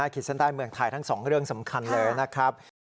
ขีดเส้นใต้เมืองไทยทั้งสองเรื่องสำคัญเลยนะครับ